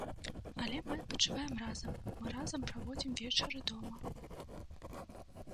Але мы адпачываем разам, мы разам праводзім вечары дома.